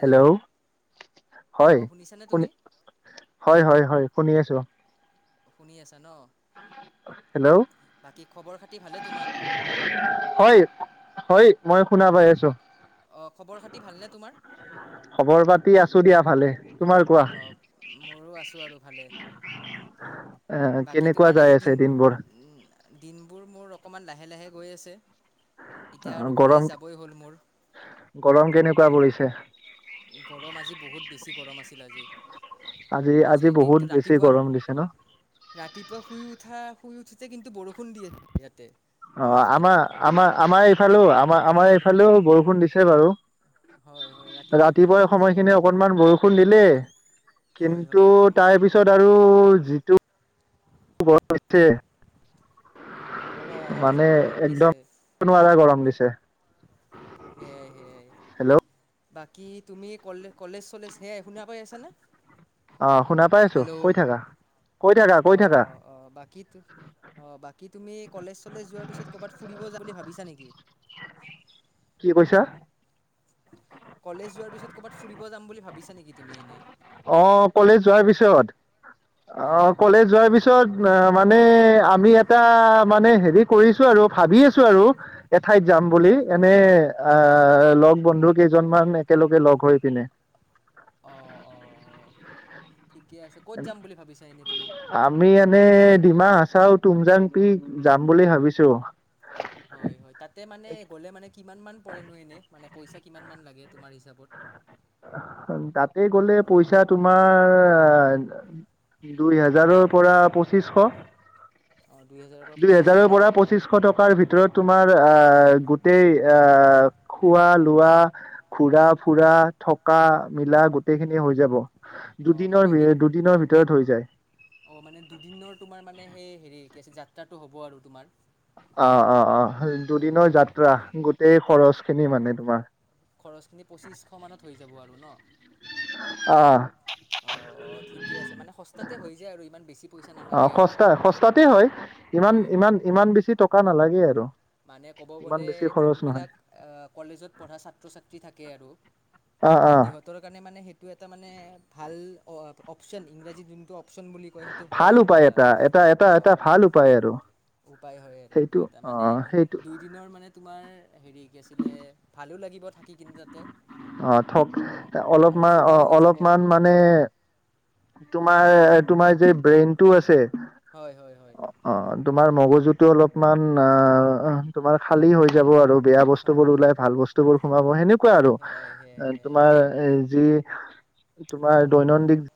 Hello হয় অঁ শুনিছানে শুনি তুমি হয় হয় হয় শুনি আছোঁ। শুনি আছা ন? হেল্ল' বাকী খবৰ খাতি ভালে তোমাৰ? হয় হয় মই শুনা পাই আছো অঁ খবৰ খাতি ভালনে তোমাৰ খবৰ পাতি আ ছো দিয়া ভালে। তোমাৰ কোৱা অ মোৰো আছো আৰু ভালে। এ বাকী কেনেকুৱা তোমাৰ যাই আজি আছে দিন দিনবোৰ উ দিনবোৰ মোৰ অকণমান লাহে লাহে গৈ আছে। এতিয়া অ আৰু কলেজ গৰম যাবই হ'ল মোৰ গৰম কেনেকুৱা পৰিছে? গৰম আজি বহুত বেছি গৰম আছিল আজি। আজি আজি আজিৰ বহুত দিনটো বেছি ৰাতিপুৱা গৰম দিছে ন? ৰাতিপুৱা শুই উঠা শুই উঠোঁতে কিন্তু বৰষুণ দিয়ে ইয়াতে। অ আমাৰ আমাৰ আমাৰ এইফালেও আমাৰ আমাৰ এইফালেও বৰষুণ দিছে বাৰু হয়। হয় ৰাতিপুৱা শুই ৰাতিপুৱাই উঠোঁতে সময়খিনি বৰষুণ অকনমান বৰষুণ দিলে। হয় কিন্তু হয় তাৰ পিছত আৰু যিটো বতৰ হৈছে। হয় হয় মানে যোনটো ৰ'দ দিছে একদম নোৱাৰা গৰম দিছে। সেইয়াই সেইয়াই। হেল্ল' বাকী তুমি কলে কলেজ চলেজ সে শুনা পাই আছানে? অহ শুনা পাই আছো কৈ থাকা। কৈ থাকা কৈ অ থাকা অ অ বাকিত অ বাকী তুমি কলেজ চলেজ যোৱাৰ পিছত ক'বাত ফুৰিব যাম বুলি ভাবিছা নেকি? কি কৈছা কলেজ যোৱাৰ পিছত ক'বাত ফুৰিব যাম বুলি ভাবিছা নেকি তুমি এনে? অ কলেজ যোৱাৰ পিছত অ অঁ কলেজ যোৱাৰ পিছত অ মানে আমি এটা মানে হেৰি কৰিছো আৰু ভাবি আছো আৰু এঠাইত যাম বুলি হয় হয় এনে আঁহ আহ লগ বন্ধু কেইজনমান একেলগে লগ হৈ পিনে। অ ঠিকে আছে ক'ত যাম বুলি ভাবিছা এনেই তুমি? আমি এনে ডিমা হাছাও তুমজাং পিক যাম বুলি ভাবিছো। কিমান মান পৰেনো? এনেই মানে পইচা কিমান মান লাগে তোমাৰ হিচাপত। তাতে গ'লে পইচা তোমাৰ দুই হাজাৰৰ পৰা পঁচিশ অঁ দুই হেজাৰৰ পৰা দুই পঁচিছশ হেজাৰৰ ন পৰা পঁচিশ টকাৰ ভিতৰত তোমাৰ আহ গোটেই আহ খোৱা লোৱা ঘুৰা ফুৰা। থকা মিলা গোটেইখিনি হৈ যাব, দুদিনৰ দুদিনৰ ভিতৰত হৈ যা অ মানে দুদিনৰ তোমাৰ মানে সেই হেৰি কি আ যাত্ৰাটো হ'ব আৰু তোমাৰ অ অ অ দুদিনৰ খৰচখিনি যাত্ৰা গোটেই খৰচ খিনি মানে তোমাৰ। খৰচখিনি পঁচিছশ মানত হৈ যাব আৰু ন? আহ অঁ। অ ঠিকে আছে মানে সস্তাতে হৈ যায় আৰু ইমান বেছি পইচা অ নালাগে আৰু সস্তা সস্তাতে হয় ইমান হয় হয়। ইমান হয় ইমান বেছি টকা নালাগে আৰু। মানে ক'ব ইমান গ'লে বেছি খৰচ নহয় যোনবিলাক কলেজত পঢ়া ছাত্ৰ ছাত্ৰী থাকে আৰু অ অ সিহঁতৰ কাৰণে মানে সেইটো এটা মানে ভাল অ অপচন, ইংৰাজী যোনটো অপচন বুলি কয় সেইটো হয় ভাল আৰু উপায় এটা এটা অ এটা অ ভাল উপায় আৰু উপায় হয় আৰু সেইটো এটা অ মানে সেইটো দুই দিনৰ মানে তোমাৰ হেৰি কি আছিলে ভালো লাগিব। থাকি কিনে তাতে অ থক আৰু অলপমান অ ফুৰাও হৈ যাব অলপমান মানে তোমাৰ তোমাৰ যে ব্ৰেইনটো আছে, হয় হয় অ তোমাৰ মগজ টো অলপমান অ তোমাৰ খালি হৈ যাব আৰু। বেয়া বস্তু বোৰ হয় ওলাই ভাল বস্তু বোৰ সোমাব সেনেকুৱা আৰু সেয়াই সেয়াই এ সেয়াই তোমাৰ এ যি তোমাৰ দৈনন্দিন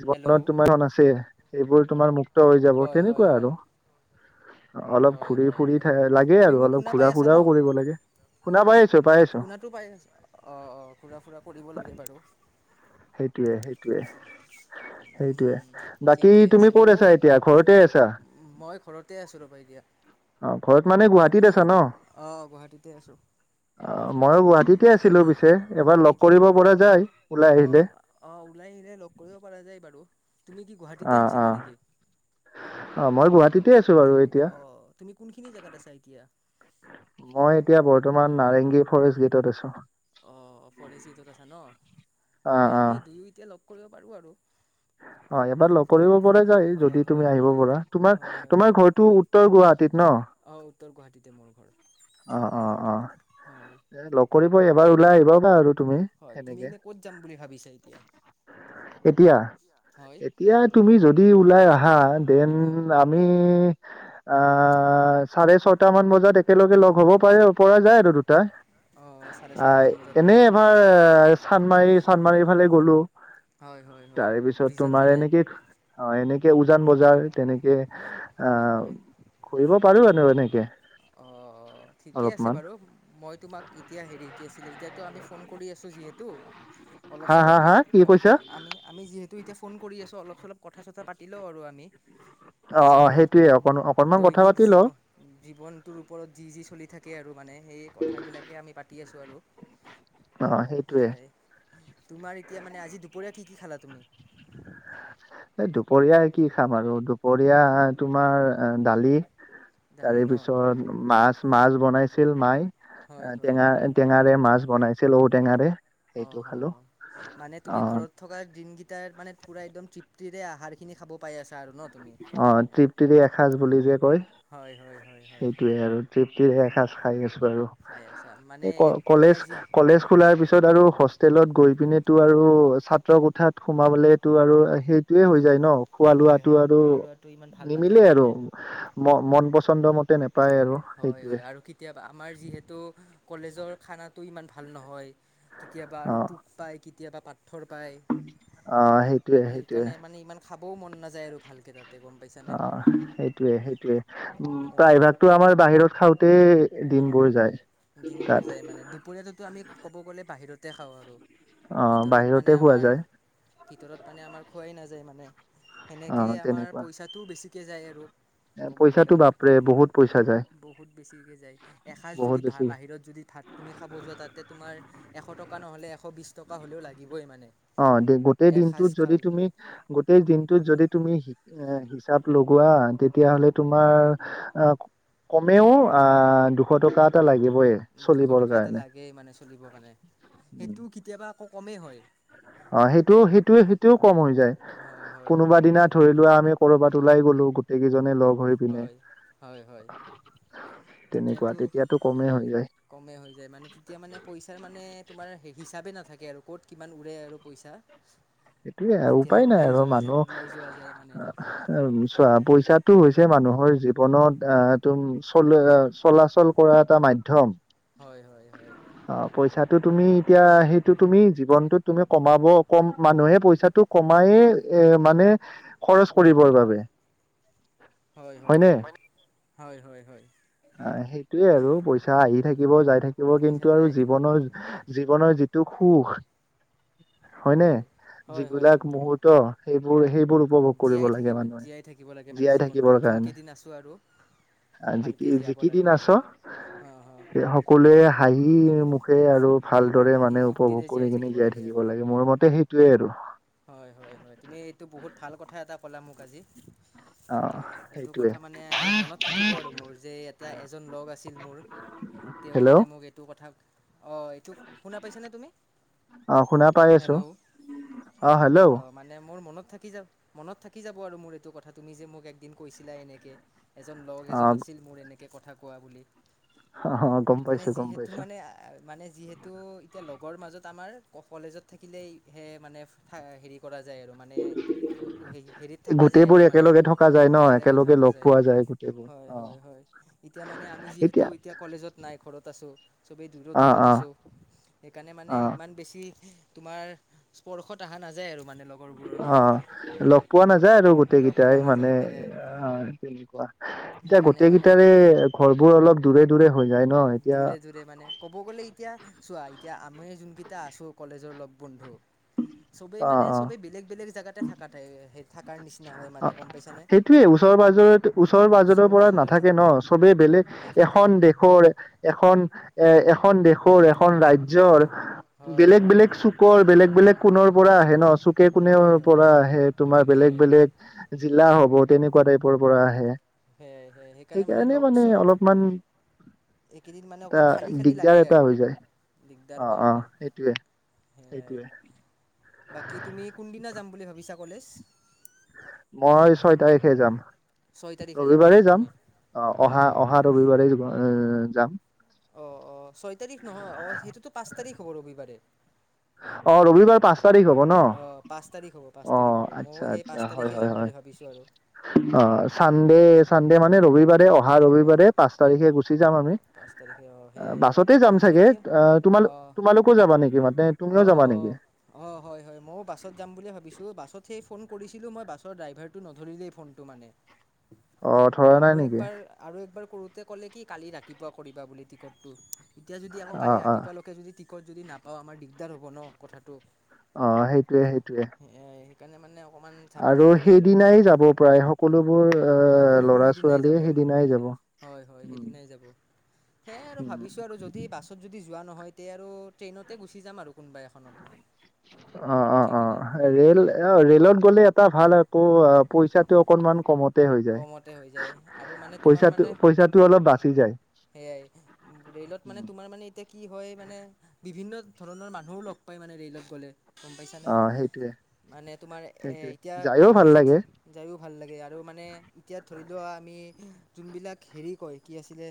জীৱনত হেল্ল' তোমাৰখন আছে সেইবোৰ তোমাৰ মুক্ত হৈ যাব হয় হয় তেনেকুৱা হয় আৰু। অ অলপ হয় ঘূৰি হয় ফুৰি হয় থ লাগে তুমি আৰু মোক অলপ শুনা পাই ঘূৰা আছা ন ফুৰাও কৰিব লাগে। শুনা পাই আছো পাই আছো শুনাটো পাই আছে অঁ অঁ ঘুৰা ফুৰা কৰিব লাগে বাৰু। সেইটোৱে সেইটোৱে। সেইটোৱে, উম বাকি ঠিকেই তুমি আছে কত ময়ো আছা এতিয়া ঘৰতে আছা। মই ঘৰতে আছোঁ ৰ'বা এতিয়া অ ঘৰত মানে গুৱাহাটীত আ আহ গুৱাহাটীতে আছো। অ মইয়ে গুৱাহাটীতে আছিলো পি হয় নেকি? ওলাই অহ আহিলে অহ ওলাই আহিলে লগ কৰিব পৰা যায় বাৰু। তুমি কি গুৱাহাটীতে অঁ আছিলা অঁ। নেকি অঁ মই গুৱাহাটীত অঁ। তুমি কোনখিনি জাগাত আছা এতিয়া? মই এতিয়া বৰ্তমান নাৰেংগী ফৰেষ্ট গেটত আছো। অ ফৰেষ্ট গেটত আছা ন, অ তে অ আমি দুয়ো এতিয়া লগ কৰিব পাৰো আৰু। [inaudible] অঁ এবাৰ লগ কৰিব পৰা যায়, হয় যদি হয় তুমি আহিব পৰা। তোমাৰ হয় হয় তোমাৰ ঘৰটো উত্তৰ গুৱাহাটীত ন? অ উত্তৰ গুৱাহাটীতে। মোৰ ঘৰ অঁ অঁ অঁ। হয় এ লগকৰিব এবাৰ ওলাই আহিব বা আৰু তুমি হয় তুমি সেনেকে। এনে ক'ত যাম বুলি ভাবিছা এতিয়া এতিয়া? হয় এতিয়া তুমি যদি ওলাই আহা দেন হয় আমি চাৰে ছটা মান বজাত একেলগে লগ হব পাৰি পৰা যায় আৰু দু তাই, অঁ চাৰে আহ ছয়টামান বজাত ন এনে এবাৰ চান্দমাৰি চান্দমাৰি ফালে গ'লো। হয় হয় হয়। তাৰে পিছত ব্ৰিজৰ তোমাৰ ফালে এনেকে অ এনেকে উজান বজাৰ তেনেকে অ ঘুৰিব পাৰো আৰু। এনেকে অ ঠিকে আছে অলপমান বাৰু। মই তোমাক এতিয়া হেৰি কি আছিলে এতিয়াতো আমি ফোন কৰি আছোঁ যিহেতু। অলপ হা চলপ হা আমি হা ক কি কৈছা আমি আমি যিহেতু এতিয়া ফোন কৰি আছোঁ অলপ চলপ কথা চথা পাতি লওঁ আৰু আমি। অঁ অঁ নিজৰ সেইটোয়ে অকণ অকনমান কথা দৈনিক পাতি লওঁ জীৱন জীৱনটোৰ ওপৰত যি যি চলি থাকে আৰু মানে সেই কথা বিলাকে আমি পাতি আছো আৰু, অ সেইটোয়ে সয়াই। তোমাৰ এতিয়া মানে আজি দুপৰীয়া কি কি খালা তুমি? এ দুপৰীয়াাই কি খাম আৰু, দুপৰীয়া তোমাৰ দালি দালি তাৰে ন? পিছত মাছ, মাছ বনাইছিল মাই, হয় হয়। টেঙা টেঙাৰে মাছ বনাইছিল ঔ টেঙাৰে। অ হ হ। মানে তুমি ঘৰত থকা দিনকেইটাত মানে পোৰা একদম তৃ প্তিৰে আহাৰ খিনি খাব পাই আছো। [unintelligible] অঁ তৃপ্তিৰে এসাঁজ বুলি যে কয় হয় হয়। হয় হয়। সেইটোয়ে আৰু তৃপ্তিৰে এসাঁজ খাই আছো আৰু। খাই আছা মানে এই ক এতিয়া কলেজ যি কলেজ খোলাৰ পিছত আৰু হোষ্টেলত। গৈ পিনেতো আৰু ছাত্ৰ কোঠাত সোমাবলেটো আৰু সেইটোয়ে হৈ যায় ন খোৱা হয় লোৱাতো। এইটো হয় আৰু খোৱা লোৱাটো ইমান ভাল নিমিলে নাথাকে আৰু মানে। ম মন পচন্দ মতে। নেপায় আৰু হয় সেইটোৱে হয় আৰু কেতিয়াবা আমাৰ যিহেতু কলেজৰ খানাত। টো ইমান ভাল নহয় কেতিয়াবা আৰু অ পোক পাই কেতিয়াবা পাথৰ। পাথৰ পাই অ সেইটোৱে সেইটোৱে সেইকাৰণে মানে ইমান খাবও মন নাযায় আৰু ভালকৈ তাত। অ সেইটোয়ে সেইটোয়ে প্ৰায়ভাগতটো আমাৰ বাহিৰত খাওঁতে। অ দিনবোৰ যায় তাৰ দিনবোৰ যায় মানে দুপৰীয়াটোতো আমি ক'ব গ'লে বাহিৰতে খাওঁ আৰু। অ' ভিতৰত বাহিৰতে মানে খোৱা আমাৰ যায় ভিতৰত মানে আমাৰ খোৱাই নাযায় মানে। সেনেকে অ' আমাৰ তেনেকুৱা পইচাটোও বেছিকে যায় আৰু। ক'ব পইচাটো গ'লে বাপৰে বহুত পইচা বহুত বেছিকৈ যায়। এসাঁজ বহুত যদি ভা বেছি বাহিৰত যদি ভাত তুমি খাব যোৱা তাতে তোমাৰ এশ। এশ টকা নহ'লে এশ বিশছ টকা হ'লেও লাগিবই মানে। অ গোটেই এসাঁজ দিনটোত যদি খাল তুমি গোটেই দিনটোত যদি তুমি। এ হিচাপ লগোৱা তেতিয়াহলে তোমাৰ অহ। কমেওঁ অ দুশ টকা এটা লাগিব। দুশ টকা এটা লাগেই মানে চলিব কাৰণে সেইটো কেতিয়াবা আকৌ কমেই হয়। অ সেইটোৱে সেইটোৱে সেইটোও কম হৈ যায় হয় হয় কোনোবা দিনা ধৰি লোৱা আমি। কৰ'বাত ওলাই গলোঁ গোটেইজনে লগ। হৈ পিনে হয় হয় হয়। তেনেকুৱা তেতিয়াতো কমেই হয়। কমে হৈ যায় মানে তেতিয়া মানে পইচাৰ মানে তোমাৰ হিচাপে নাথাকে। থাকে আৰু ক'ত কিমান উৰে আৰু পইচা। সেইটোয়ে আৰু যেতিয়া উপায় নাই ওলাই আৰু যোৱা মানুহ ওলাই যোৱা যায় মানে চোৱা পইচাটো হৈছে। এইটোয়ে মানুহৰ জীৱনত আহ তম চল চলাচল কৰা এটা মাধ্যম। হয় হয় হয়। ত তুমি এতিয়া সেইটো তুমি জীৱনতোত তুমি কমাব কম। মানুহে পইচাটো কমাই এ মানে খৰচ কৰিবৰ বাবে। হয়- হয় -হয় -হয় - হয় -হয় - হয় হয়, সেইটোয়ে আৰু পইচা আহি থাকিব যাই থাকিব পইচা কিন্তু আৰু যাই থাকিব জীৱনৰ- জীৱনৰ যিটো যিটো সুখ হয় নে হয় হয় যিবিলাক একদম মুহুৰ্ত সেইবোৰ সেই জীয়াই থাকিব -জীয়াই থাকিব লাগে মানে জীয়াই থাকিবৰ জীৱনটোত যোন কাৰণে কেইদিন আছো আৰু আহ ভাল যি কেইদিন আছ অঁ সকলোৱে হাঁহি সুখে আৰু ফুট ভালদৰে মানে উপভোগ কৰি কিনে জীয়াই থাকিব লাগে মোৰ মতে সেইটোয়ে আৰু। হয় হয় হয় তুমি এইটো বহুত ভাল কথা এটা ক'লা মোক আজি অহ এইটো কথা মানে আৰু মনত থাকিব আৰু মোৰ যে এটা এজন লগ আছিল মোৰ তেওঁ হেল্ল' মানে মোক এইটো কথা অহ, এইটো শুনা পাইছনে তুমি হেল্ল', অহ, হেল্ল', অঁ মানে মোৰ মনত থাকি যা -মনত থাকি যাব আৰু মোৰ এইটো কথা তুমি যে মোক একদিন কৈছিলা এনেকে। এজন লগ এজন আছিল মোৰ এনেকে কথা কোৱা বুলি অ গম মানে পাইছো গম যিহেতু পাইছো মানে- মানে যিহেতু এতিয়া লগৰ মাজত আমাৰ কলেজত থাকিলেই হে মানে হেৰি কৰা যায় আৰু মানে হেৰিত থাকা যায় গোটেইবোৰ আৰু মানে একেলগে থকা যায় ন একেলগে থকা লগ যায়। পোৱা গোটেইবোৰ হয় অ -হয় -হয় এতিয়া মানে আমি যিহেতু এতিয়া কলেজত নাই ঘৰত আছো চবেই দূৰত অ -দূৰত অ আছো সেইকাৰণে মানে অ ইমান বেছি তোমাৰ স্পৰ্শত আহা নাযায় আৰু। মানে লগৰবোৰৰ হা মাজত -লগ পোৱা নাযায় আৰু গোটেই লগ কেইটাই পোৱা মানে নাযায় সেয়াই অহ, তেনেকুৱা এতিয়া সেইকাৰণে গোটেই মানে কেইটাৰে ঘৰবোৰ অলপ দূৰে দূৰে হৈ যায় ন এতিয়া দূৰে -দূৰে মানে ক'ব গ'লে এতিয়া চোৱা এতিয়া আমি যোনকেইটা আছোঁ কলেজৰ লগ বন্ধু চবেই অ মানে চবেই বেলেগ- বেলেগ জেগাতে থাকা ঠাই অহ, সেইটোয়ে ওচৰ - পাজৰে - ওচৰ- পাজৰৰ পৰা নাথাকে ন' চবেই বেলেগ নাথাকেই এখন দেশৰ এখন এ এখন দেশৰ এখন ৰাজ্যৰ হয় বেলেগ- হয় বেলেগ হয় চুকৰ বেলেগ- বেলেগ কোণ পৰা আহে ন' চুকে কোনে হয় হয় পৰা আহে তোমাৰ বেলেগ সেয়াই -বেলেগ জিলা হ'ব তেনেকুৱা টাইপৰ পৰা আহে। সেয়াই- সেয়াই সেইকাৰণে মানে লগ- চগ এইকেইদিন মানে এটা অকমান খালি -খালি দিগদাৰ লাগে এটা আৰু হৈ যায় দিগদাৰ হয় মানে। সেয়াই এইটোৱে। বাকী তুমি কোনদিনা যাম বুলি ভাবিছা কলেজ? মই ছয় তাৰিখে যাম। ছয় তাৰিখে যাবা ৰবিবাৰে মানে যাম তুমি অহ অহা অঁ -অহা ৰবিবাৰে যাম। অহ - অহ ছয় তাৰিখ নহয় অহ সেইটোতো পাঁচ তাৰিখ হ'ব ৰবিবাৰে। অহ, ৰবিবাৰ পাঁচ তাৰিখ হব ন'? অহ, পাঁচ তাৰিখ হ'ব -পাঁচ অ তাৰিখ হ'ব আচ্ছা ময়ো সেই পাঁচ তাৰিখে যাম বুলি ভাবিছো আৰু। অহ, চানডে -চানডে মানে ৰবিবাৰে অহা হয় ৰবিবাৰে হয় পাঁচ তাৰিখে গুচি যাম আমি। পাঁচ তাৰিখে অঁ সেয়াই আৰু বাছতে যাম তোমাৰ চাগে এতিয়া আহ তোমালোক -তোমালোকো যাবা নেকি মানে তুমিও অহ - যাবা অহ নেকি - অহ, হয় -হয় ময়ো বাছত যাম বুলি ভাবিছো বাছত সেই ফোন কৰিছিলো মই বাছৰ ড্ৰাইভাৰটো নধৰিলে ফোনটো মানে। অ ধৰা [inaudible] নাই আৰু নেকি একবাৰ -আৰু একবাৰ কৰোতে ক'লে কি কালি ৰাত তিপুৱা কৰিবা বুলি টিকটটো এতিয়া যদি আকৌ অ কালি অ ৰাতিপুৱালৈকে যদি টি টিকট যদি নাপাওঁ আমাৰ দিগদাৰ হ'ব ন' কথাটো। অহ, সেইটোৱে -সেইটোৱে। সেকানে মানে আও আৰু সেই দিনাই যাব প্ৰায় সকলোবোৰ অহ সকলোবোৰ ল'ৰা- সেইদিনাই ছোৱালী যাব সেইদিনাই যাব হয় -হয় উম, সেইদিনাই যাব সেয়াই আৰু উম। ভাবিছো আৰু যদি বাছত যদি যোৱা নহয় তে আৰু ট্ৰেইনতে গুচি যাম আৰু। কোনোবা এখনত অ উঠি অ অ কিনে ৰেল অ ৰেলত গ'লে। টা ভাল আকৌ অ পইচাটো অকনমান কমত। হৈ যায় কমতে হৈ যায় আৰু মানে তোমাৰ পইচাটো মানে পইচাটো অলপ বাচি যায়। সেয়াই ৰেলত মানে তোমাৰ মানে এতিয়া। কি হয় মানে বিভিন্ন ধৰণৰ মানুহো লগ পায় মানে ৰে'লত গ'লে গম পাইছানে। অ সেইটোয়ে মানে তোমাৰ এ সেইটোৱে এতিয়া যায়ও ভাল আমি লাগে যদি যায়ও ভাল লাগে আৰু মানে। এতিয়া ধৰি লোৱা আমি যোনবিলাক হেৰি কয় কি আছিলে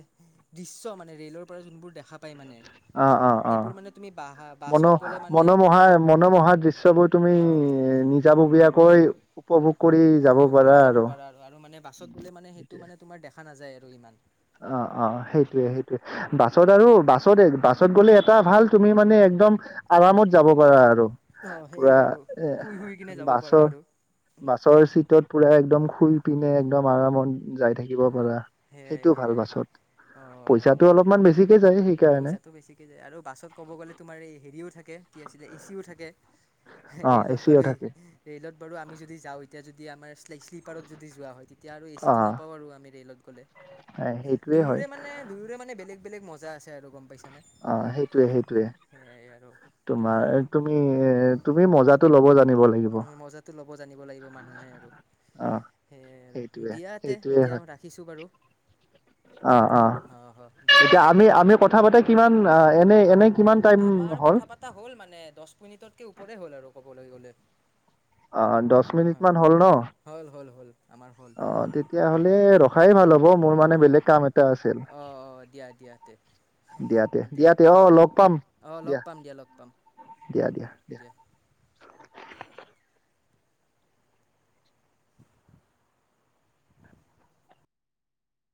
দৃশ্য মানে ৰেলৰ পৰা যোনবিলাক দেখা। পায় মানে অ অ অ সেইবোৰ মানে তুমি বা। মনো মনোমোহা মনোমোহা দৃশ্যবোৰ তুমি হয় হয় নিজাববীয়াকৈ। উপভোগ। কৰি যাব উপভোগ পাৰা কৰি যাব পাৰা আৰু আৰু মানে বাছত গ'লে মানে সেইটো মানে তোমাৰ দেখা নাযায় আৰু ইমান। অ অ সেইটোয়ে সেইটোয়ে বাছত আৰু বাছত বাছত গ'লে এটা ভাল তুমি মানে একদম আৰামত যাব পাৰা আৰু অ পুৰা সেইয়াই আৰু এ শুই শুই কিনে যাব পাৰা বাছৰ আৰু বাছৰ চিটত। পুৰা একদম শুই পিনে একদম আৰামত যাই থাকিব পাৰা সেয়াই সেইটো ভাল সেয়াই বাছত। অ পইচাটো অলপমান বেছিকে যায় সেইকাৰণে পইচাটো বেছিকে যায় আৰু বাছত ক'ব গ'লে তোমাৰ এই হেৰিও থাক- কে টি আছিলে এ চি ও থাকে অ ৰেলত বাৰো এচিও ই থাকে ৰেলত বাৰু আমি যদি যাওঁ এতিয়া যদ- টি আমাৰ শ্লিপাৰত যোৱা হয় তেতিয়া আৰু এ অ চিটো নাপ- ৰেলত গলে সেইটোয়ে হয় দুয়োৰে মানে দুয়োৰে মানে বেলেগ বেলেগ মজা আছে আৰু গম পাইছ- অ সেইটোয়ে সেইটোৱে আৰু তোমাৰ তুমি তুমি মজাটো ল'ব জানিব লাগিব। মজাটো ল'ব জানিব লাগিব মানুহে আৰু অ সেইয়াই আৰু সেইটোয়ে দিয়া তে সেইটোয়ে এতিয়া হয় ৰাখিছো বাৰু অ অ হ দিয়া এতিয়া আমি আমি কথা পাতা কিমান। অ এনে এনে কিমান টাইম আমাৰ হ'ল কথা পতা হ'ল মানে দহ মিনিটতকে ওপৰে হ'ল আৰু ক ব'লে গ'লে। অ দহ মিনিট হয় মান হ'ল ন হ'ল হ'ল হ'ল আমাৰ হ'ল অ তেতিয়াহ'লে ৰখাই ভাল হ'ব মোৰ। মানে হয় বেলেগ কাম এটা আছিল অহ অহ দিয়া দিয়া তে তে দিয়া তে অ দিয়া লগ পাম অ লগ পাম দিয়া লগ পাম। দিয়া দিয়া দিয়া